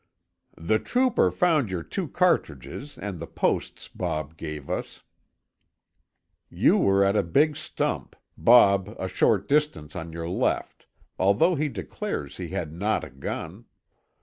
"The trooper found your two cartridges and the posts Bob gave us. You were at a big stump, Bob a short distance on your left, although he declares he had not a gun.